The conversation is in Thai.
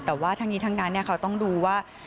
แต่ว่าทั้งนี้ทั้งนั้นเขาต้องดูว่า